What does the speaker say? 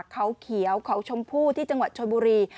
เขาเขียวเขาชมพู่ที่จังหวัดชนบุรี